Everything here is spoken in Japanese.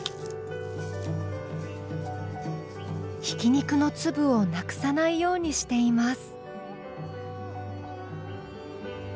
ひき肉の粒をなくさないようにしています。